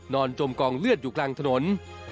จมกองเลือดอยู่กลางถนน